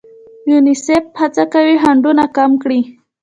یونیسف هڅه کوي خنډونه کم کړي.